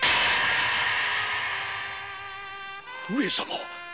「上様」！？